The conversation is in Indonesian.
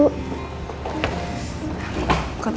selamat siang bu